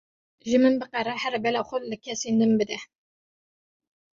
Ji min biqere here bela xwe li kesên din bide.